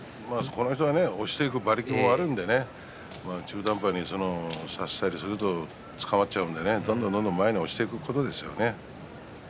押していく馬力があるので中途半端に差したりするとつかまってしまうので、どんどんどんどん押していくことですね。